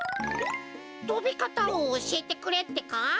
とびかたをおしえてくれってか？